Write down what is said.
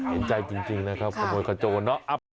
เห็นใจจริงนะครับขโมยขโจรเนาะ